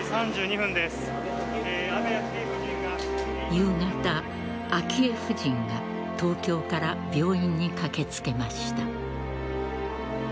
夕方、昭恵夫人が東京から病院に駆けつけました。